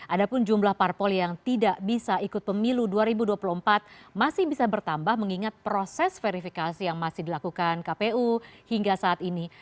ada pun jumlah parpol yang tidak bisa ikut pemilu dua ribu dua puluh empat masih bisa bertambah mengingat proses verifikasi yang masih dilakukan kpu hingga saat ini